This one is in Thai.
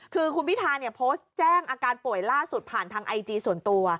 คือคุณพิธาเนี่ยโพสต์แจ้งอาการป่วยล่าสุดผ่านทางไอจีส่วนตัว